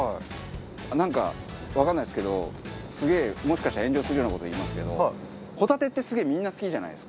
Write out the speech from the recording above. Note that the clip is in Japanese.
なんかわかんないですけどすげえもしかしたら遠慮するような事言いますけどホタテってすげえみんな好きじゃないですか。